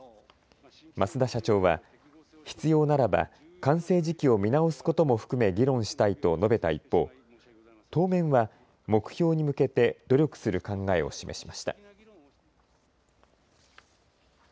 増田社長は必要ならば完成時期を見直すことも含め議論したいと述べた一方、当面は目標に向けて努力する考えを示しました。